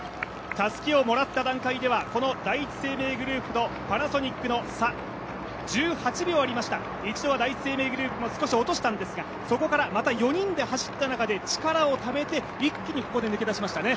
たすきをもらった段階ではこの第一生命グループとパナソニックの差１８秒ありました一度は第一生命グループも少し落としたんですがそこからまた４人で走った中で力をためて一気にここで抜け出しましたね。